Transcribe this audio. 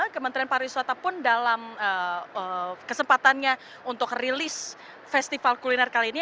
kementerian pariwisata pun dalam kesempatannya untuk rilis festival kuliner kali ini